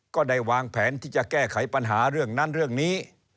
ก็ได้วางแผนที่จะแก้ไขปัญหาเรื่องนั้นเรื่องนี้